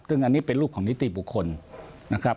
ซึ่งอันนี้เป็นลูกของนิติบุคคลนะครับ